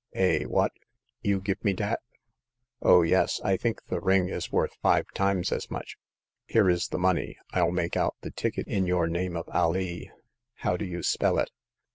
Eh, what ! you give me dat r Oh, yes ; I think the ring is worth five times as much. Here is the money ; I'll make out the ticket in your name of Alee. How do you spell it